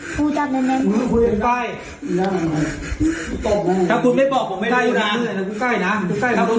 พูดจากนั้นถ้าคุณไม่บอกผมไม่รู้นะใกล้นะถ้าคุณ